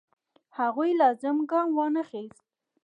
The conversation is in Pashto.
هغوی لازم ګام وانخیست.